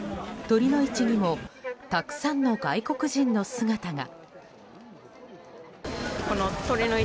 酉の市にもたくさんの外国人の姿が。